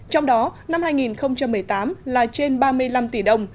trong đó năm hai nghìn một mươi tám là trên ba mươi năm tỷ đồng